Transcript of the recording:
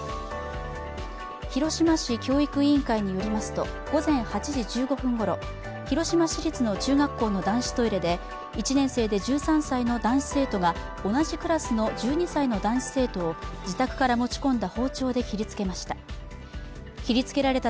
広島市教育委員会によりますと、午前８時１５分ごろ、広島市立の中学校の男子トイレで１年生で１３歳の男子生徒が同じクラスの１２歳の男子生徒をけがをしたということです。